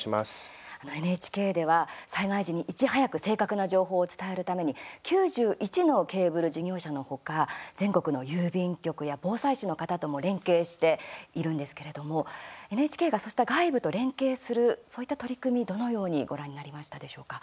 ＮＨＫでは災害時に、いち早く正確な情報を伝えるために９１のケーブル事業者の他全国の郵便局や防災士の方とも連携しているんですけれどもＮＨＫがそうした外部と連携するそういった取り組み、どのようにご覧になりましたでしょうか。